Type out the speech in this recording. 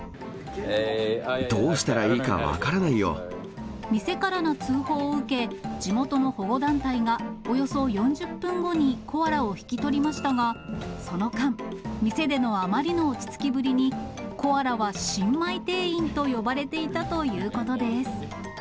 どうしたらいいか分からない店からの通報を受け、地元の保護団体がおよそ４０分後にコアラを引き取りましたが、その間、店でのあまりの落ち着きぶりに、コアラは新米店員と呼ばれていたということです。